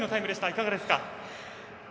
いかがでしたか？